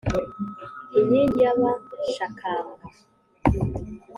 Inkingi y’Abashakamba